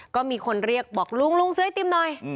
ก็มีคนเรียกบอกลุงลุงซื้อไอติมหน่อย